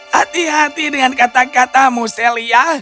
hati hati dengan kata katamu celia